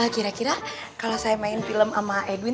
kira kira kalau saya main film sama edwin